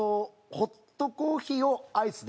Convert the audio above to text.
ホットコーヒーをアイスで。